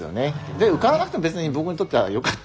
で受からなくても別に僕にとってはよかった。